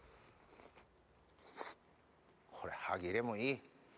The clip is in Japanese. これ歯切れもいい！